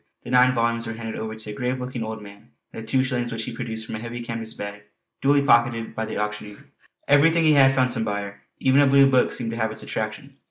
the nine volumes were handed over to a grave looking old man, and the two shillings which he produced from a heavy canvas bag duly pocketed by the auctioneer. Everything he had, found some buyer; even a blue book seemed to have its attraction.